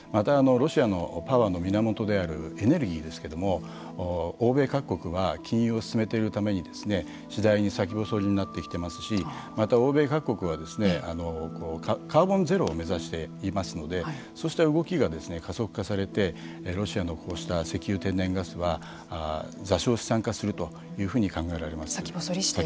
またロシアのパワーの源であるエネルギーですけれども欧米各国は禁輸を進めているために次第に先細りになってきてますしまた欧米各国はカーボンゼロを目指していますのでそうした動きが加速化されてロシアのこうした石油天然ガスは座礁資産化するというふうに考えられます。